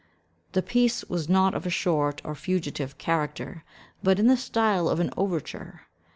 The piece was not of a short or fugitive character, but in the style of an overture.